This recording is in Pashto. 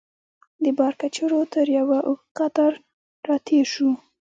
د بار کچرو تر یوه اوږد قطار راتېر شوو.